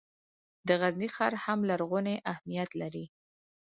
د غزني ښار هم لرغونی اهمیت لري.